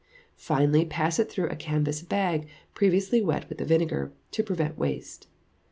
Finally, pass it through a canvas bag, previously wet with the vinegar, to prevent waste.